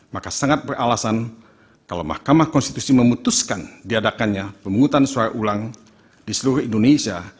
maka sangat beralasan kalau mahkamah konstitusi memutuskan diadakannya pemungutan suara ulang di seluruh indonesia